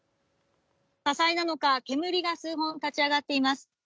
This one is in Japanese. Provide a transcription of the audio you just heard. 火災なのか、煙が数本立ち上がっています。